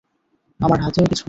আমার হাতেও কিছু নেই।